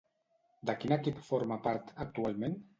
De quin equip forma part, actualment?